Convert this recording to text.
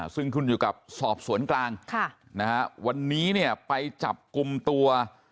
ซึ่งขึ้นอยู่กับสอบสวนกลางค่ะนะฮะวันนี้เนี่ยไปจับกลุ่มตัว